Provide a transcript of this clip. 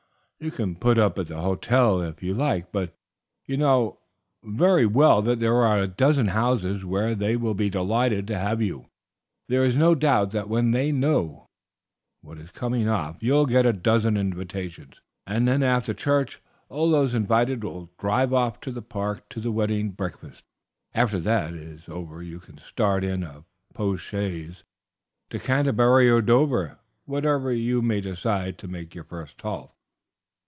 You can put up at the hotel if you like, but you know very well that there are a dozen houses where they will be delighted to have you; there is no doubt that when they know what is coming off you will get a dozen invitations, and then after church all those invited will drive off to the Park to the wedding breakfast. After that is over you can start in a post chaise to Canterbury or Dover, wherever you may decide to make your first halt."